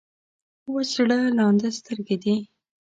وچ زړه لانده سترګې دي.